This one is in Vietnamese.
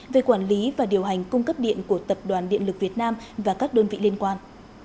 về quản lý và điều hành cung cấp điện của tập đoàn điện lực việt nam và các đơn vị liên quan